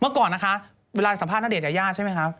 เมื่อก่อนนะคะเวลาสัมภาณเดชนยายาใช่ไหมคะ